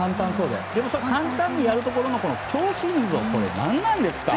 でも、簡単にやるところの強心臓、何なんですか。